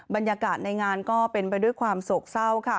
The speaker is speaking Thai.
บรรยากาศในงานก็เป็นไปด้วยความโศกเศร้าค่ะ